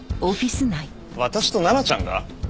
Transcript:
私と奈々ちゃんが？